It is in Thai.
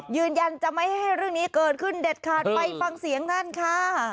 ยืนยันจะไม่ให้เรื่องนี้เกิดขึ้นเด็ดขาดไปฟังเสียงท่านค่ะ